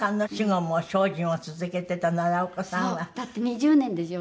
だって２０年ですよ。